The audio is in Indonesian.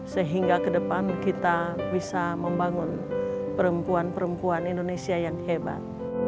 sehingga ke depan kita bisa membangun perempuan perempuan indonesia yang hebat